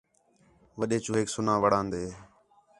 وݙّے چوہیک سُنا وڑان٘دے